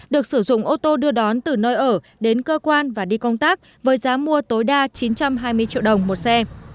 được sử dụng ô tô đưa đón từ nơi ở đến cơ quan và đi công tác với giá mua tối đa chín trăm hai mươi triệu đồng một xe